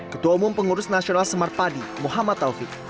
ketua umum pengurus nasional smart party muhammad taufik